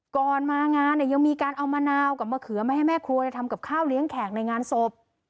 ก่อนมางานเนี่ยยังมีการเอามะนาวกับมะเขือมาให้แม่ครัวทำกับข้าวเลี้ยงแขกในงานศพ